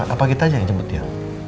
apa kita aja yang jemput dia